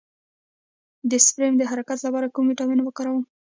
د سپرم د حرکت لپاره کوم ویټامین وکاروم؟